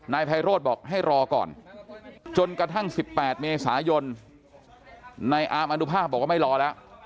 นายไพโรธบอกให้รอก่อนจนกระทั่ง๑๘เมษายนนายอามอนุภาพบอกว่าไม่รอแล้ว